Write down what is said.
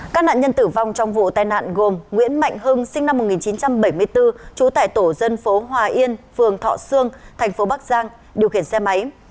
các nạn nhân tử vong trong vụ tai nạn gồm nguyễn mạnh hưng sinh năm một nghìn chín trăm bảy mươi bốn trú tại tổ dân phố hòa yên phường thọ sương thành phố bắc giang điều khiển xe máy